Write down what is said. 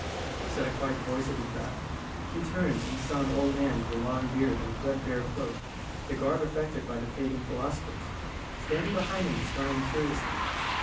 said a quiet voice at his back. He turned, and saw an old man with a long beard and a threadbare cloak (the garb affected by the pagan philosophers) standing behind him and smiling curiously.